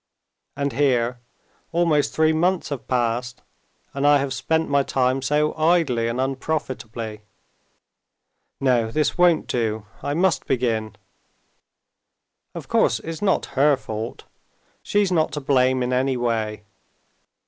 And here almost three months have passed, and I have spent my time so idly and unprofitably. No, this won't do; I must begin. Of course, it's not her fault. She's not to blame in any way.